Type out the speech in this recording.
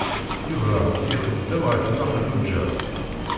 Yuba ixeddem ɣef Nna Xelluǧa.